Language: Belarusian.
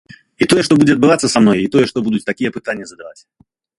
І тое, што будзе адбывацца са мной, і тое, што будуць такія пытанні задаваць.